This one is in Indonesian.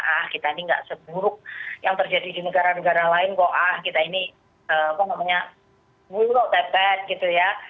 ah kita ini nggak seburuk yang terjadi di negara negara lain kok ah kita ini kok namanya we not that bad gitu ya